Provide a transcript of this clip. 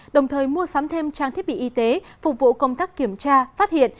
đồng thời mua sắm thêm trang thiết bị y tế phục vụ công tác kiểm tra phát hiện